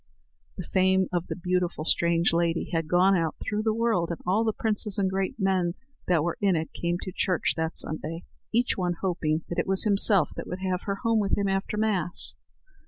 The fame of the beautiful strange lady had gone out through the world, and all the princes and great men that were in it came to church that Sunday, each one hoping that it was himself would have her home with him after Mass.